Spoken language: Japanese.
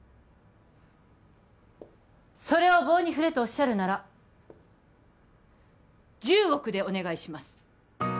それを棒に振れとおっしゃるなら１０億でお願いします